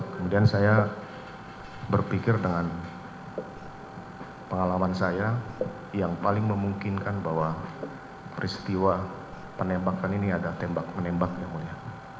kemudian saya berpikir dengan pengalaman saya yang paling memungkinkan bahwa peristiwa penembakan ini ada tembak menembak yang mulia